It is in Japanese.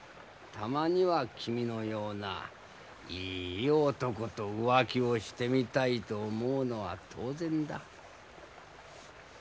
たまには君のようないい男と浮気をしてみたいと思うのは当然だ。